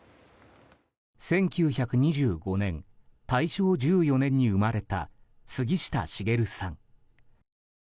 １９２５年、大正１４年に生まれた杉下茂さん。